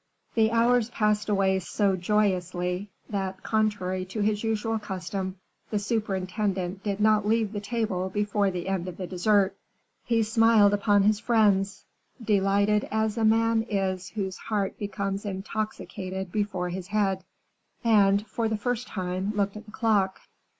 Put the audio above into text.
The hours passed away so joyously, that, contrary to his usual custom, the superintendent did not leave the table before the end of the dessert. He smiled upon his friends, delighted as a man is whose heart becomes intoxicated before his head and, for the first time, looked at the clock.